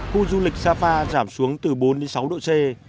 khu du lịch sapa giảm xuống từ bốn đến sáu độ c